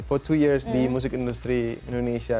for two years di musik industri indonesia